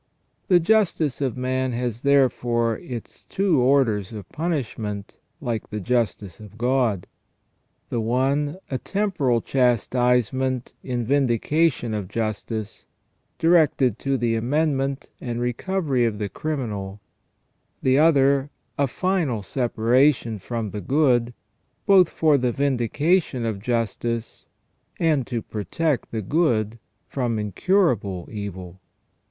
The justice of man has therefore its two orders of punishment like the justice of God : the one a temporal chastise ment in vindication of justice, directed to the amendment and recovery of the criminal ; the other a final separation from the good, both for the vindication of justice, and to protect the good from incurable evil.